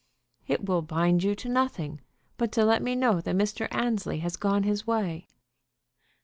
"It will bind you to nothing but to let me know that Mr. Annesley has gone his way."